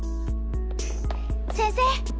先生。